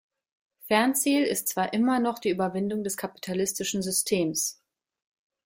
Fernziel ist zwar immer noch die Überwindung des kapitalistischen Systems.